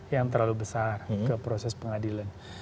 yang terlalu besar ke proses pengadilan